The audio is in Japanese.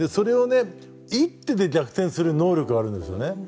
一手で逆転する能力があるんですね。